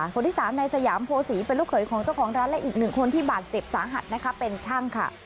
คนที่สามนายสยามโพศีเป็นลูกเขยของเจ้าของร้านและอีกหนึ่งคนที่บาดเจ็บสาหัสนะคะเป็นช่างค่ะ